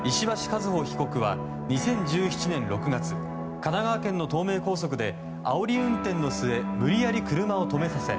和歩被告は２０１７年６月神奈川県の東名高速であおり運転の末無理やり車を止めさせ